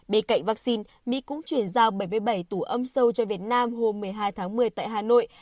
bên cạnh vaccine mỹ cũng chuyển giao bảy mươi bảy tủ âm sâu cho việt nam hôm một mươi hai tháng một mươi tại hà nội